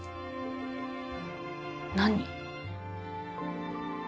何？